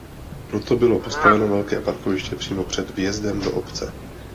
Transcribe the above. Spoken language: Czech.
Proto bylo postaveno velké parkoviště přímo před vjezdem do obce.